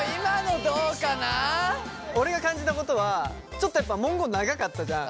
俺が感じたことはちょっとやっぱ文言長かったじゃん？